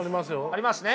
ありますね？